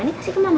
ini kasih ke mama